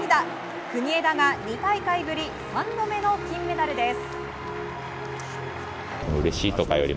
国枝が２大会ぶり３度目の金メダルです。